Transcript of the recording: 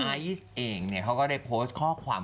ไอซ์เองเขาก็ได้โพสต์ข้อความ